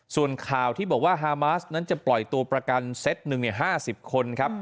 ส่วนข่าวที่บอกว่าฮามาสนั้นจะปล่อยตัวประกันเซตหนึ่ง๕๐คนครับ